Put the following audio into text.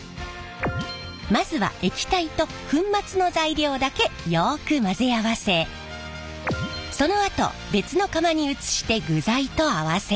まずは液体と粉末の材料だけよく混ぜ合わせそのあと別の釜に移して具材と合わせる。